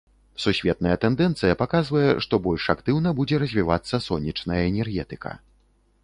Сусветная тэндэнцыя паказвае, што больш актыўна будзе развівацца сонечная энергетыка.